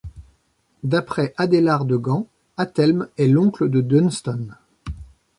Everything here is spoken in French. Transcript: D'après Adélard de Gand, Athelm est l'oncle de Dunstan.